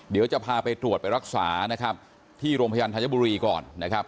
เดี๋ยวจะพาไปตรวจไปรักษานะครับที่โรงพยาบาลธัญบุรีก่อนนะครับ